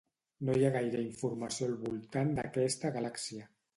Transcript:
No hi ha gaire informació al voltant d'aquesta galàxia.